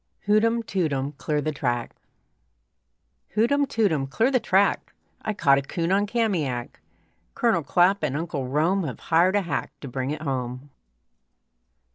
HOOTEM, TOOTEM, CLEAR THE TRACK Hootem, tootem, clear the track! I caught a coon on Kamiak! Colonel Clapp and Uncle Rome Have hired a hack to bring it home.